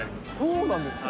そうなんですか。